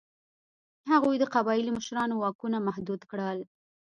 هغوی د قبایلي مشرانو واکونه محدود کړل.